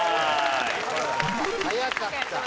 早かった。